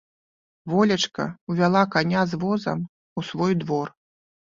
Волечка ўвяла каня з возам у свой двор.